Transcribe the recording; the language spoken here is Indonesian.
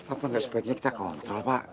apa nggak sebaiknya kita kontrol pak